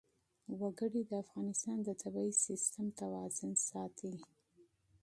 وګړي د افغانستان د طبعي سیسټم توازن ساتي.